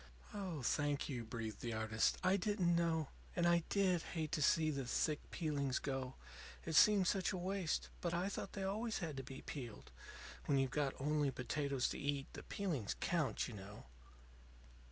"Oh, thank you," breathed the artist. "I didn't know. And I did hate to see the thick peeling go; it seemed such a waste. But I thought they always had to be peeled. When you've got only potatoes to eat, the peelings count, you know."